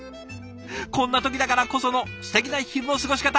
こんな時だからこそのすてきな昼の過ごし方。